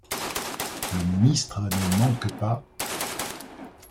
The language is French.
Le ministre ne manque pas